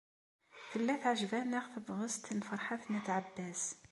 Tella teɛjeb-aneɣ tebɣest n Ferḥat n At Ɛebbas.